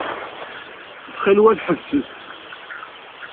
Ttxil-wet, ḥebset.